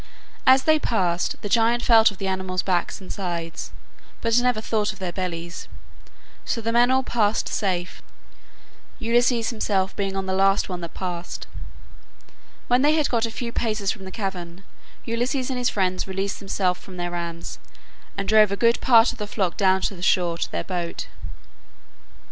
As they passed, the giant felt of the animals' backs and sides, but never thought of their bellies; so the men all passed safe, Ulysses himself being on the last one that passed. When they had got a few paces from the cavern, Ulysses and his friends released themselves from their rams, and drove a good part of the flock down to the shore to their boat.